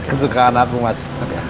kesukaan aku mas